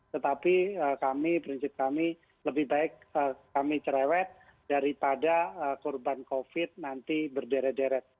tetapi kami prinsip kami lebih baik kami cerewet daripada korban covid nanti berderet deret